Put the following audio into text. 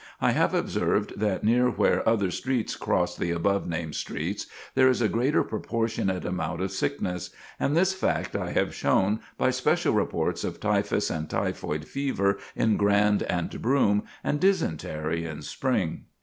I have observed that near where other streets cross the above named streets there is a greater proportionate amount of sickness; and this fact I have shown by special reports of typhus and typhoid fever in Grand and Broome, and dysentery in Spring."